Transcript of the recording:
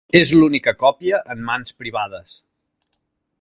És l'única còpia en mans privades.